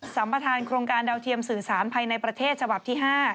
ัมประธานโครงการดาวเทียมสื่อสารภายในประเทศฉบับที่๕